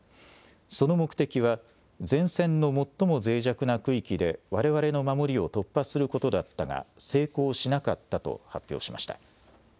その目的は、前線の最もぜい弱な区域でわれわれの守りを突破することだったが成功しなかったと発表しました。